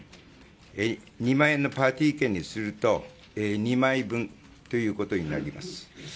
２万円のパーティー券にすると２枚分となります。